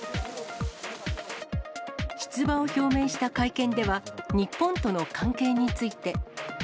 出馬を表明した会見では、日本との関係について。